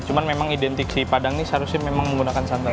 cuma memang identik si padang ini seharusnya memang menggunakan santai